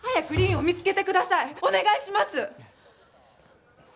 お願いします！